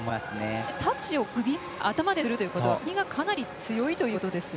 そしてタッチを頭でするということは首がかなり強いということですね。